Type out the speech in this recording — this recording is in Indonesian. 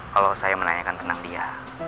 kalau saya menanyakan tentang dia